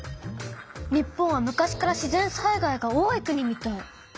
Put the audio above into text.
日本は昔から自然災害が多い国みたい。